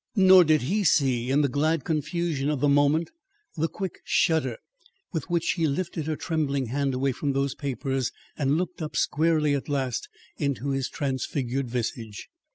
Nor did he see, in the glad confusion of the moment, the quick shudder with which she lifted her trembling hand away from those papers and looked up, squarely at last, into his transfigured visage.